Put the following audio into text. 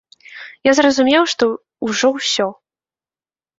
Я зразумеў, што ўжо ўсё.